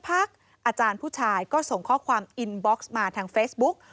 อาจารย์ผู้ชายก็ส่งข้อความอินบ็อกซ์มาทางเฟซบุ๊ก